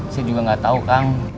saya juga gak tau kang